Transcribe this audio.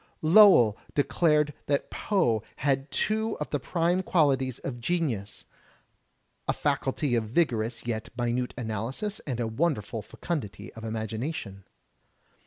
Lowell declared that Poe had two of the prime qualities of genius, — "a faculty of vigorous yet minute analysis and a wonderful feomdity of imagination."